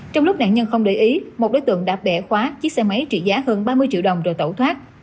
trong lúc nạn nhân không để ý một đối tượng đã bẻ khóa chiếc xe máy trị giá hơn ba mươi triệu đồng rồi tẩu thoát